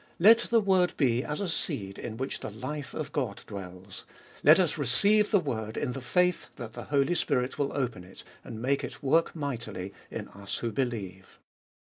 Let the word be as a seed In which the life of God dwells. Let us receive the word, in the faith that the Holy Spirit will open It, and make it work mightily, In us who believe.